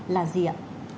là gì ạ